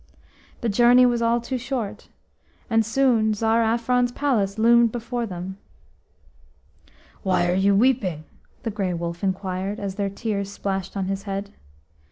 The journey was all too short, and soon Tsar Afron's palace loomed before them. "Why are you weeping?" the Grey Wolf inquired, as their tears splashed on his head.